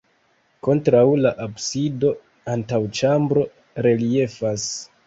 Kontraŭ la absido antaŭĉambro reliefas.